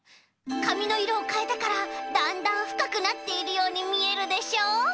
かみのいろをかえたからだんだんふかくなっているようにみえるでしょ。